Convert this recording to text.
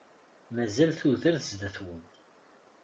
Mazal tudert zdat-wen.